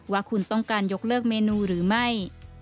ว่าคุณต้องการยกเลิกเมนูหรือไม่